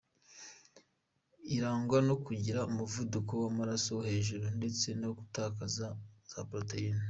Irangwa no kugira umuvuduko w’amaraso wo hejuru ndetse no gutakaza za Proteines.